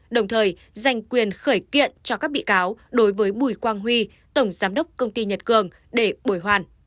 đồng thời dành quyền khởi kiện cho các bị cáo đối với bùi quang huy tổng giám đốc công ty nhật cường để bồi hoàn